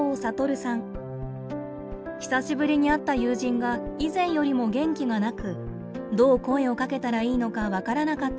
久しぶりに会った友人が以前よりも元気がなくどう声をかけたらいいのか分からなかったといいます。